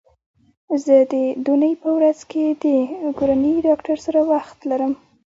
زه د دونۍ په ورځ د کورني ډاکټر سره وخت لرم